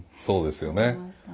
そうですよね。